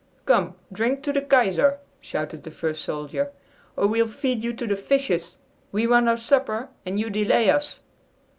"Come! Drink to the Kaiser!" shouted the first soldier, "or we'll feed you to the fishes! We want our supper, and you delay us."